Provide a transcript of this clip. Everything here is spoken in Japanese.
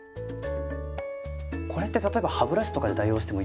これって例えば歯ブラシとかで代用してもいいですか。